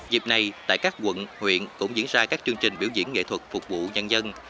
dịp này tại các quận huyện cũng diễn ra các chương trình biểu diễn nghệ thuật phục vụ nhân dân